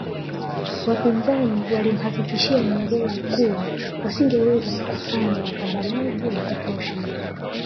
Wapinzani walimhakikishia Nyerere kuwa wangeweza kukusanya wapambanaji wa kutosha